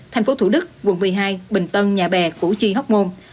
tp thủ đức quận một mươi hai bình tân nhà bè củ chi hóc môn